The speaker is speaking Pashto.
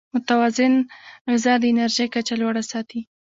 متوازن غذا د انرژۍ کچه لوړه ساتي.